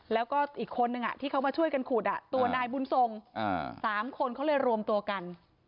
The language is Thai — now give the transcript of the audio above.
แล้วก็อีกคนนึงที่เขามาช่วยกันขุดตัวนายบุญทรง๓คนเขาเลยรวมตัวกัน